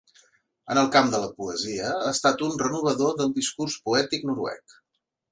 En el camp de la poesia ha estat un renovador del discurs poètic noruec.